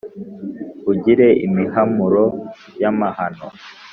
ugire imihamuro y' amahano